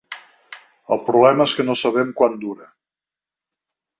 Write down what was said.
El problema és que no sabem quant dura.